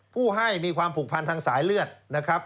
ผู้ให้มีความผูกพันทางสายเลือดนะครับ